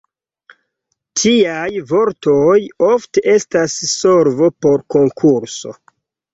Tiaj vortoj ofte estas solvo por konkurso.